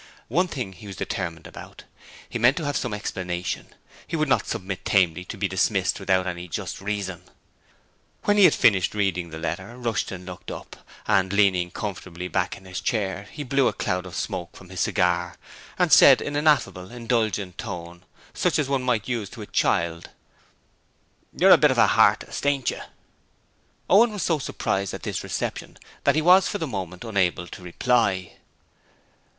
One thing he was determined about: he meant to have some explanation: he would not submit tamely to be dismissed without any just reason. When he had finished reading the letter, Rushton looked up, and, leaning comfortably back in his chair, he blew a cloud of smoke from his cigar, and said in an affable, indulgent tone, such as one might use to a child: 'You're a bit of a hartist, ain't yer?' Owen was so surprised at this reception that he was for the moment unable to reply.